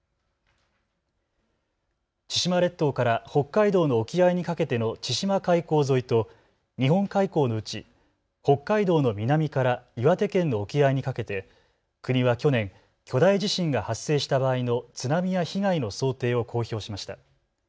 千島列島から北海道の沖合にかけての千島海溝沿いと日本海溝のうち北海道の南から岩手県の沖合にかけて国は去年、巨大地震が発生した場合の津波や被害の想定を公表しました。